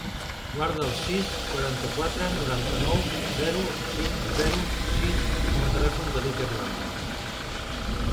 Guarda el sis, quaranta-quatre, noranta-nou, zero, cinc, zero, sis com a telèfon de l'Iker Langa.